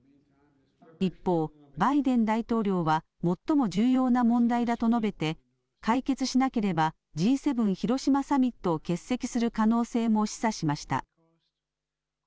一方、バイデン大統領は最も重要な問題だと述べて解決しなければＧ７広島サミットを欠席する可能性も示唆しました。